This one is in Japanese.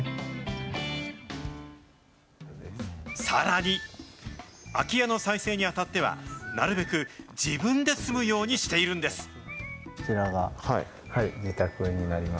さらに、空き家の再生にあたっては、なるべく自分で住むようにしているんです。